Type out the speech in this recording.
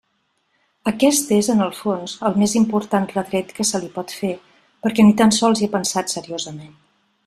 Aquest és, en el fons, el més important retret que se li pot fer, perquè ni tan sols hi ha pensat seriosament.